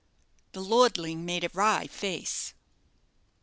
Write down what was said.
The lordling made a wry face.